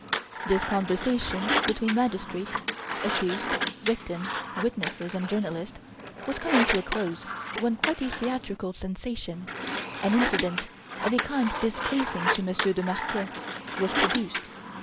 This conversation between magistrates, accused, victim, witnesses and journalist, was coming to a close when quite a theatrical sensation an incident of a kind displeasing to Monsieur de Marquet was produced.